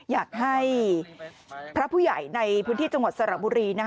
อยากให้พระผู้ใหญ่ในพื้นที่จังหวัดสระบุรี